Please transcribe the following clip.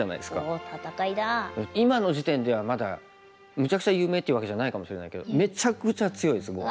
今の時点ではまだめちゃくちゃ有名っていうわけじゃないかもしれないけどめちゃくちゃ強いですもう。